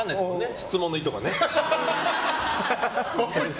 質問の意図が。